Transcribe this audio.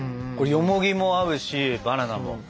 よもぎも合うしバナナも。